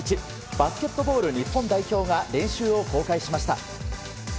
バスケットボール日本代表が練習を公開しました。